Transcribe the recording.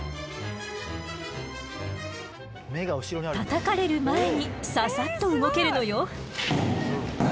たたかれる前にササッと動けるのよ。